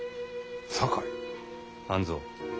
半蔵。